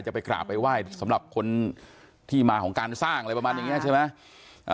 ไปกราบไปไหว้สำหรับคนที่มาของการสร้างอะไรประมาณอย่างนี้ใช่ไหม